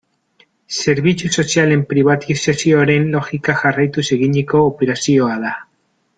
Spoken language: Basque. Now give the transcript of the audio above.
Zerbitzu sozialen pribatizazioaren logika jarraituz eginiko operazioa da.